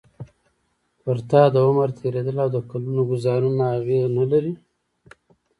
پر تا د عمر تېرېدل او د کلونو ګوزارونه اغېز نه لري.